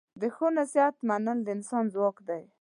د ښو نصیحت منل د انسان ځواک دی.